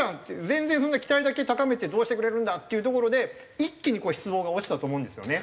全然そんな期待だけ高めてどうしてくれるんだっていうところで一気に失望落ちたと思うんですよね。